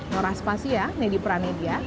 norah sepasi ya nedy pranedy ya